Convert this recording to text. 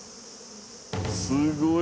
すごい。